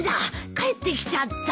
帰ってきちゃった。